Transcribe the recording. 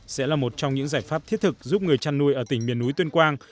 sẽ là một trong những giải pháp thiết thực giúp người chăn nuôi ở tỉnh miền núi tuyên quang